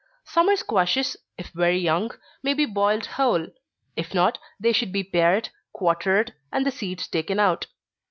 _ Summer squashes, if very young, may be boiled whole if not, they should be pared, quartered, and the seeds taken out.